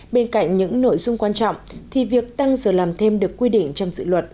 bên cạnh những nội dung quan trọng thì việc tăng giờ làm thêm được quy định trong dự luật